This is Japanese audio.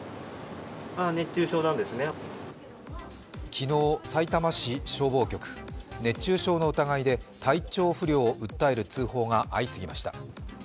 昨日、さいたま市消防局熱中症の疑いで体調不良を訴える通報が相次ぎました。